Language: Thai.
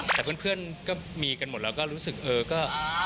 แต่เพื่อนก็มีกันหมดแล้วก็รู้สึกเออก็